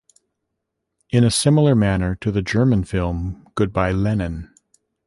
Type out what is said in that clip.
In a similar manner to the German film Good Bye Lenin!